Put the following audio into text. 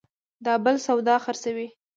دا بل سودا خرڅوي